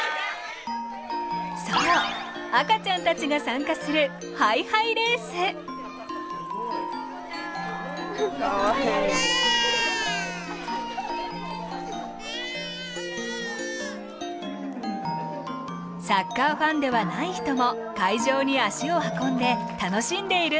そう赤ちゃんたちが参加するサッカーファンではない人も会場に足を運んで楽しんでいるんです。